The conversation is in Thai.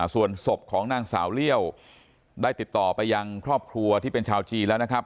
ส่วนศพของนางสาวเลี่ยวได้ติดต่อไปยังครอบครัวที่เป็นชาวจีนแล้วนะครับ